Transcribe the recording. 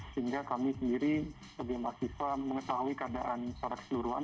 sehingga kami sendiri bbm arsifa mengetahui keadaan secara keseluruhan